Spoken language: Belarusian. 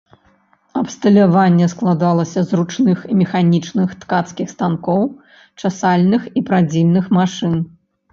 Абсталяванне складалася з ручных і механічных ткацкіх станкоў, часальных і прадзільных машын.